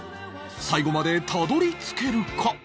最後までたどり着けるか？